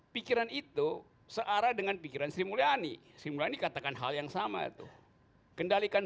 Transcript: pikiran itu searah dengan pikiran sri mulyani sri mulyani katakan hal yang sama tuh kendalikan